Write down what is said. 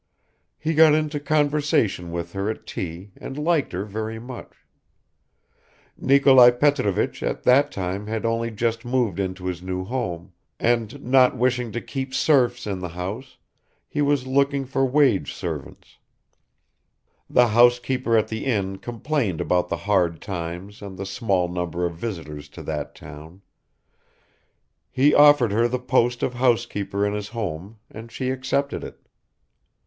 He got into conversation with her at tea and liked her very much. Nikolai Petrovich at that time had only just moved into his new home, and not wishing to keep serfs in the house, he was looking for wage servants; the housekeeper at the inn complained about the hard times and the small number of visitors to that town; he offered her the post of housekeeper in his home and she accepted it.